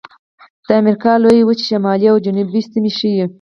د امریکا لویې وچې شمالي او جنوبي سیمې ښيي.